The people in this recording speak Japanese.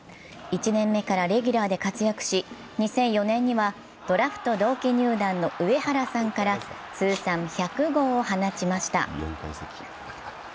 １年目からレギュラーで活躍し２００４年にはドラフト同期入団の上原さんから通算１００号を放ちました。